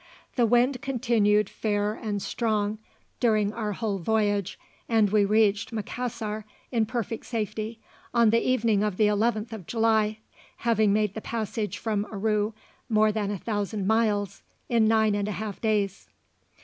The wind continued fair and strong during our whole voyage, and we reached Macassar in perfect safety on the evening of the 11th of July, having made the passage from Aru (more than a thousand miles) in nine and a half days.